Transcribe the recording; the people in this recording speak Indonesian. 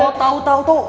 oh tau tau tau